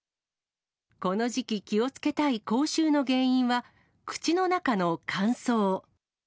この時期、気をつけたい口臭の原因は、口の中の乾燥。